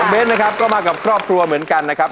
เบ้นนะครับก็มากับครอบครัวเหมือนกันนะครับ